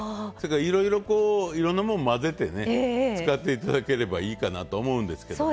いろいろこういろんなもん混ぜてね使って頂ければいいかなと思うんですけど。